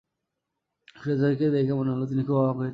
ফিরোজ ভাইকে দেখে মনে হলো, তিনি খুব অবাক হয়েছেন।